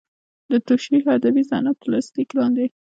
د توشیح ادبي صنعت تر سرلیک لاندې.